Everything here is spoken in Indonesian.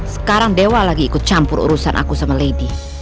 sekarang dewa lagi ikut campur urusan aku sama lady